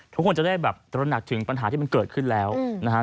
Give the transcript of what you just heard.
ทุกคนจะได้แบบตระหนักถึงปัญหาที่มันเกิดขึ้นแล้วนะครับ